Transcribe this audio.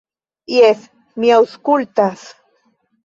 Jes, mi aŭskultas.